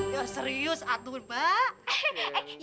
ya serius atuh mbak